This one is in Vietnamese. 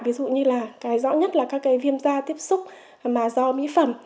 ví dụ như là cái rõ nhất là các cái viêm da tiếp xúc mà do mỹ phẩm